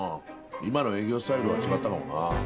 今の営業スタイルとは違ったかもなあ。